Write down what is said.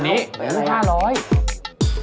ตัวเรา๕๐บาท